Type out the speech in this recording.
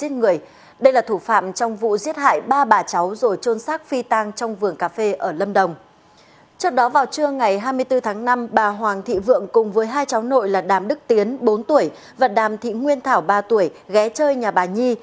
từ tháng năm bà hoàng thị vượng cùng với hai cháu nội là đàm đức tiến bốn tuổi và đàm thị nguyên thảo ba tuổi ghé chơi nhà bà nhi